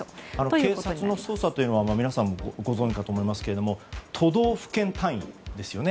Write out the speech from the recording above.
警察の捜査というのは皆さんご存じかと思いますが都道府県単位ですよね。